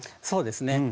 そうですね。